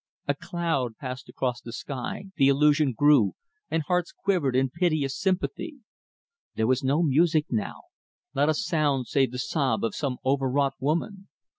A cloud passed across the sky, the illusion grew, and hearts quivered in piteous sympathy. There was no music now not a sound save the sob of some overwrought woman.